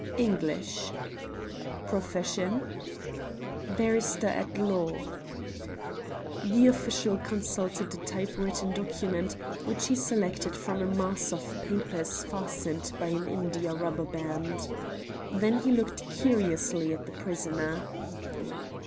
"English." "Profession?" "Barrister at law." The official consulted a type written document, which he selected from a mass of papers fastened by an indiarubber band. Then he looked curiously at the prisoner.